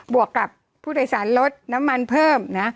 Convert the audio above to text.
วกกับผู้โดยสารลดน้ำมันเพิ่มนะ